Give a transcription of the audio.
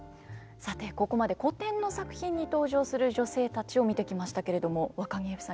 さてここまで古典の作品に登場する女性たちを見てきましたけれどもわかぎゑふさん